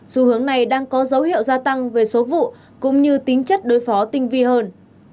xu hướng này đang có dấu hiệu gia tăng về số vụ cũng như tính chất đối phó tinh vi hơn